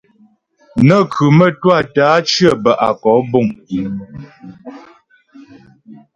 Nə́ khʉ mə́twâ tə́ á cyə bə́ á kɔ'ɔ buŋ.